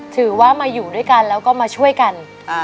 ถือว่ามาอยู่ด้วยกันแล้วก็มาช่วยกัน